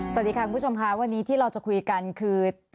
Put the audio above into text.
สวัสดีค่ะคุณผู้ชมค่ะวันนี้ที่เราจะคุยกันคือ